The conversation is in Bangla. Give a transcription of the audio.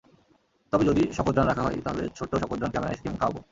তবে যদি শকোদ্রান রাখা হয়, তাহলে ছোট্ট শকোদ্রানকে আমি আইসক্রিম খাওয়াব।